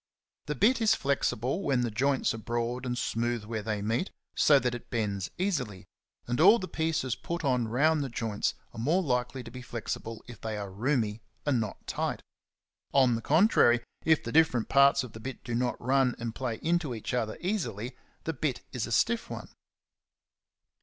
The bit is flexible when the joints are broad and smooth where they meet, so that it bends easily; and all the pieces put on round the joints are more likely to be flexible if they are roomy and not tight. On the contrary, if the different parts of the bit do not run and play into each other easily, the bit is a stiff one.